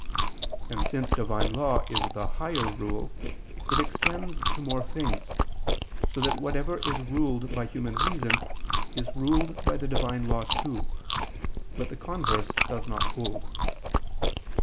And since Divine Law is the higher rule, it extends to more things, so that whatever is ruled by human reason, is ruled by the Divine Law too; but the converse does not hold.